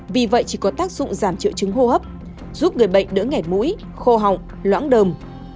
vì vậy chỉ có tác dụng giảm triệu chứng hô hấp giúp người bệnh đỡ nhảy mũi khô họng loãng đường